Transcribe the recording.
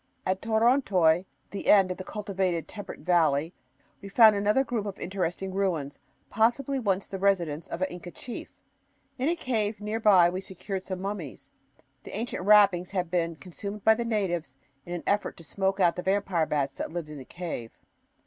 At Torontoy, the end of the cultivated temperate valley, we found another group of interesting ruins, possibly once the residence of an Inca chief. In a cave near by we secured some mummies. The ancient wrappings had been consumed by the natives in an effort to smoke out the vampire bats that lived in the cave.